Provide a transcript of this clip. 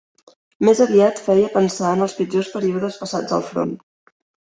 Més aviat feia pensar en els pitjors períodes passats al front